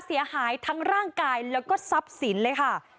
เสียหายทั้งร่างกายแล้วก็ทรัพย์สินเลยค่ะ